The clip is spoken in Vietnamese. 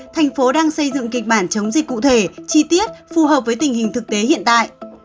thành phố đang xây dựng kịch bản chống dịch cụ thể chi tiết phù hợp với tình hình thực tế hiện tại